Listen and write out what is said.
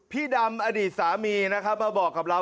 พี่ดำอดีตสามีนะครับมาบอกกับเรา